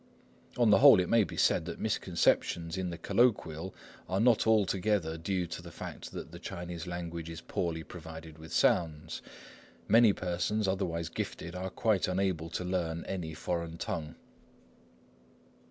On the whole, it may be said that misconceptions in the colloquial are not altogether due to the fact that the Chinese language is poorly provided with sounds. Many persons, otherwise gifted, are quite unable to learn any foreign tongue.